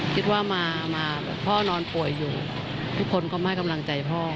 คิดว่ามาพ่อนอนป่วยอยู่ทุกคนก็มาให้กำลังใจพ่อ